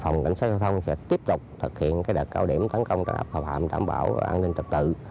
phòng cảnh sát giao thông sẽ tiếp tục thực hiện đợt cao điểm tấn công hạm đảm bảo an ninh trật tự